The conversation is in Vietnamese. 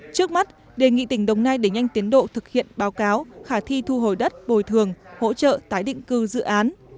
trước mắt đề nghị tỉnh đồng nai đẩy nhanh tiến độ thực hiện báo cáo khả thi thu hồi đất bồi thường hỗ trợ tái định cư dự án